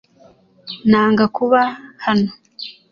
Nanga kuba hano .